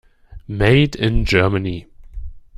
Made in Germany.